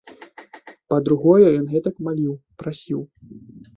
Па-другое, ён гэтак маліў, прасіў.